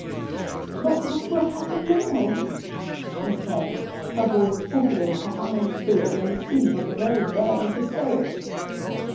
"But what will happen now?" she said, her voice faltering, her eyes filling, and seemingly on the very verge of hysterics.